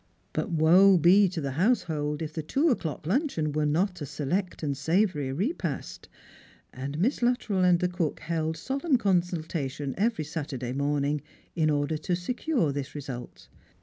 But woe be to the household if the two o'clock luncheon were not a select and savoury repast! and Miss Luttrell and the cook held solemn consultation every Saturday morning in order to secure this result.